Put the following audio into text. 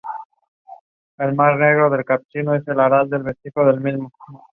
However he also noted that it had an orientation towards consensus politics and technocracy.